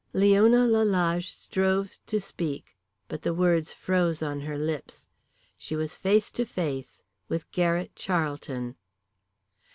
Leona Lalage strove to speak, but the words froze on her lips. She was face to face with Garrett Charlton!